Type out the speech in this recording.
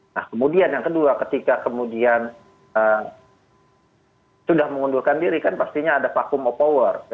nah kemudian yang kedua ketika kemudian sudah mengundurkan diri kan pastinya ada vacuum of power